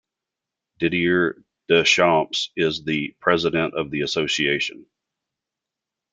Didier Deschamps is the president of the association.